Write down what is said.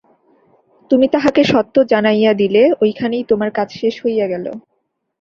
তুমি তাহাকে সত্য জানাইয়া দিলে, ঐখানেই তোমার কাজ শেষ হইয়া গেল।